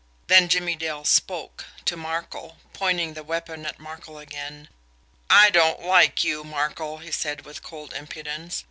Then Jimmie Dale spoke to Markel pointing the weapon at Markel again. "I don't like you, Markel," he said, with cold impudence.